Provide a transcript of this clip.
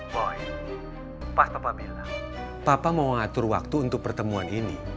poy pas papa bilang papa mau ngatur waktu untuk pertemuan ini